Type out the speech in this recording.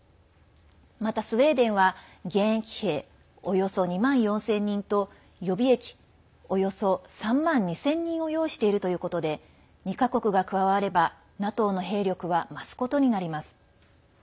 また、スウェーデンは現役兵およそ２万４０００人と予備役およそ３万２０００人を擁しているということで２か国が加わればＮＡＴＯの兵力は増すことになります。